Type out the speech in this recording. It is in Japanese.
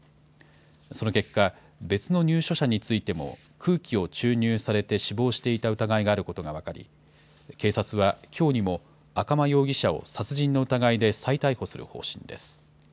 その結果、別の入所者についても、空気を注入されて死亡していた疑いがあることが分かり、警察はきょうにも赤間容疑者を殺人の疑いで再逮捕する方針です。